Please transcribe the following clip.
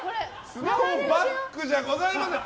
スマホをバッグじゃございません！